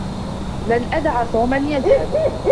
لن أدع توما يذهب.